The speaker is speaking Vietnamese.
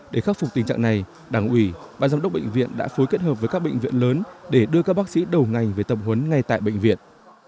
để khắc phục tình trạng này đảng ủy ban giám đốc bệnh viện đã phối kết hợp với các bệnh viện lớn để đưa các bác sĩ đầu ngành về tập huấn ngay tại bệnh viện